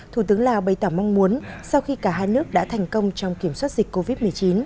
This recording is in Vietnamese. thủ tướng lào bày tỏ mong muốn sau khi cả hai nước đã thành công trong kiểm soát dịch covid một mươi chín